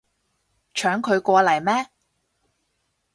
搶佢過嚟咩